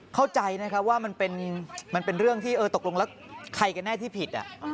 เข้าใจนะครับว่ามันเป็นเรื่องที่ตกลงแล้วใครกันแน่ที่ผิด